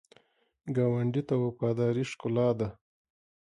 ګاونډي ته وفاداري ښکلا ده